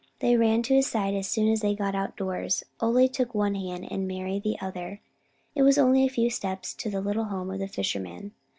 They ran to his side as soon as they got outdoors. Ole took one hand and Mari the other. It was only a few steps to the little home of the fisherman.